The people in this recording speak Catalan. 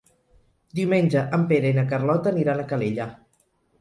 Diumenge en Pere i na Carlota aniran a Calella.